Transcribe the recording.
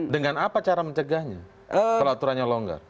dengan apa cara mencegahnya kalau aturannya longgar